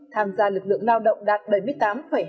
tham gia lực lượng lao động đạt bảy mươi tám hai mươi